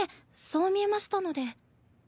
そう見えましたので。